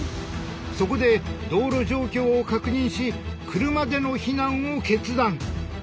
そこで道路状況を確認し車での避難を決断。